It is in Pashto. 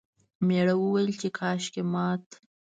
میړه وویل چې کاشکې مات...